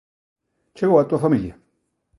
Chegou a túa familia?